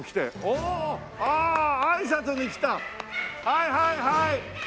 はいはいはい！